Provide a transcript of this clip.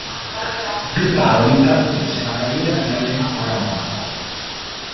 Più tardi intraprese la carriera di allenatore a Monaco.